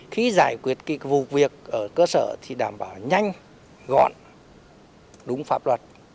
khi giải quyết vụ việc ở cơ sở thì đảm bảo nhanh gọn đúng pháp luật